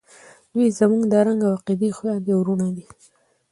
دوئ زموږ د رنګ او عقیدې خویندې او ورونه دي.